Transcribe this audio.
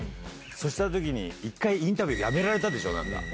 そうした時に一回インタビューやめられたでしょ。